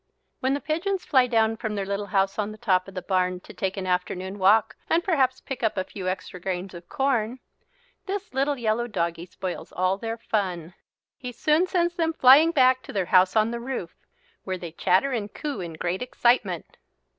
When the pigeons fly down from their little house on the top of the barn to take an afternoon walk and perhaps pick up a few extra grains of corn, this little yellow doggie spoils all their fun. He soon sends them flying back to their house on the roof, where they chatter and coo in great excitement.